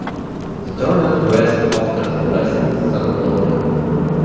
He turned west after passing San Antonio.